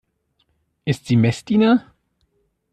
Ist sie Messdiener?